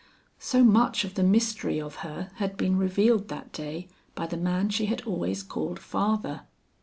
So much of the mystery of her had been revealed that day by the man she had always called father.